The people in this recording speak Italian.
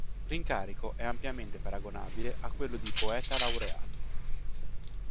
L'incarico è ampiamente paragonabile a quello di Poeta Laureato.